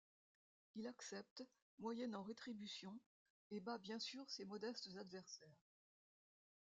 Il accepte, moyennant rétribution, et bat bien sûr ses modestes adversaires.